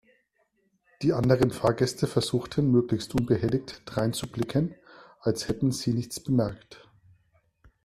Die anderen Fahrgäste versuchten möglichst unbeteiligt dreinzublicken, so als hätten sie nichts bemerkt.